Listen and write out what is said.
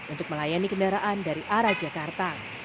untuk melayani kendaraan dari arah jakarta